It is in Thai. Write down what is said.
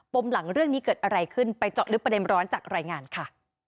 มหลังเรื่องนี้เกิดอะไรขึ้นไปเจาะลึกประเด็นร้อนจากรายงานค่ะ